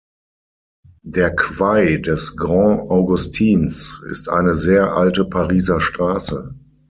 Der Quai des Grands Augustins ist eine sehr alte Pariser Straße.